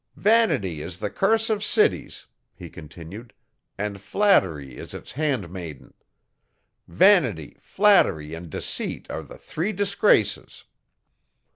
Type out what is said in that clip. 'Vanity is the curse of cities,' he continued, 'and Flattery is its handmaiden. Vanity, flattery and Deceit are the three disgraces.